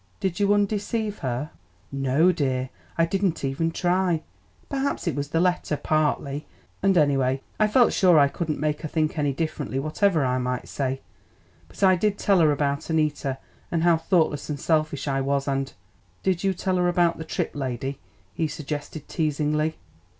"Did you undeceive her?" "N no, dear, I didn't even try. Perhaps it was the letter partly, and anyway I felt sure I couldn't make her think any differently whatever I might say. But I did tell her about Annita and about how thoughtless and selfish I was, and " "Did you tell her about the Tripp lady?" he suggested teasingly.